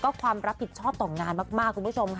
และความประผิดชอบต่องานมาก